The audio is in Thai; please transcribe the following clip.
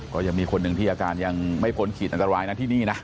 ก็ยังมีคนหนึ่งที่อาการยังไม่พ้นขีดอันตรายนะที่นี่นะ